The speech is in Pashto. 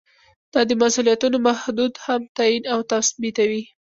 دا د مسؤلیتونو حدود هم تعین او تثبیتوي.